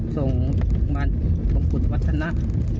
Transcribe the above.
ส่งมามงกุฎวัฒนะ